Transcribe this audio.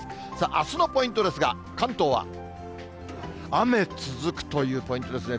あすのポイントですが、関東は雨続くというポイントですね。